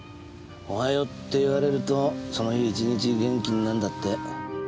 おはようって言われるとその日一日元気になるんだって。